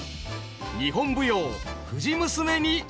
日本舞踊「藤娘」に挑む。